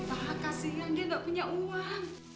tak kasihan dia gak punya uang